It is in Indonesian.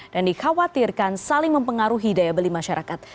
dan dikhawatirkan saling mempengaruhi daya beli masyarakat